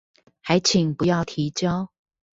還請不要提交